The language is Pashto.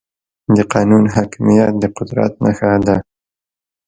د قانون حاکميت د قدرت نښه ده.